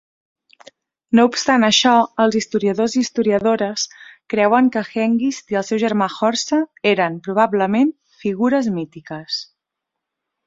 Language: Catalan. No obstant això, els historiadors creuen que Hengist i el seu germà Horsa eren probablement figures mítiques.